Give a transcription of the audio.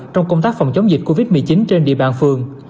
trong công tác phòng chống dịch covid một mươi chín trên địa bàn phường